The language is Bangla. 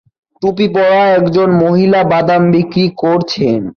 টুপি পরা একজন মহিলা বাদাম বিক্রি করছেন।